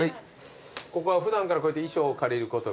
ここは普段からこうやって衣装を借りることが？